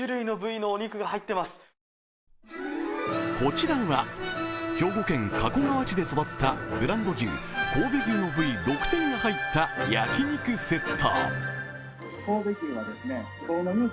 こちらは兵庫県加古川市で育ったブランド牛神戸牛の部位６点が入った焼肉セット。